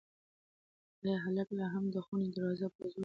ایا هلک لا هم د خونې دروازه په زور وهي؟